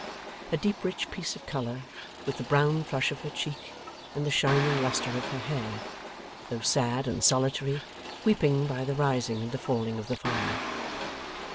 A deep rich piece of colour, with the brown flush of her cheek and the shining lustre of her hair, though sad and solitary, weeping by the rising and the falling of the fire.